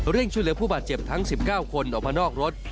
ช่วยเหลือผู้บาดเจ็บทั้ง๑๙คนออกมานอกรถ